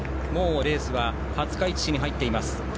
レースは廿日市市に入っています。